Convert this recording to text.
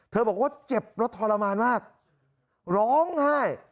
บอกว่าเจ็บแล้วทรมานมากร้องไห้